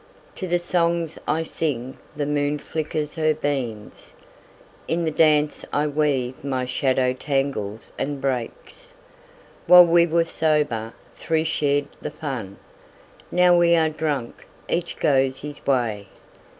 To the songs I sing the moon flickers her beams; In the dance I weave my shadow tangles and breaks. While we were sober, three shared the fun; Now we are drunk, each goes his way.